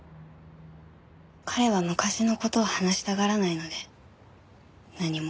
彼は昔の事を話したがらないので何も。